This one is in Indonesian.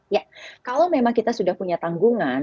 ya kalau memang kita sudah punya tanggungan